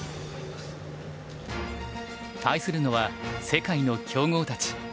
対するのは世界の強豪たち。